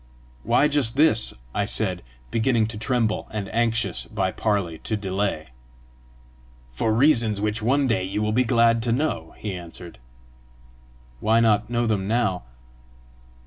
"Why just this?" I said, beginning to tremble, and anxious by parley to delay. "For reasons which one day you will be glad to know," he answered. "Why not know them now?"